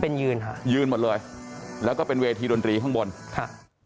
เป็นยืนค่ะยืนหมดเลยแล้วก็เป็นเวทีดนตรีข้างบนค่ะ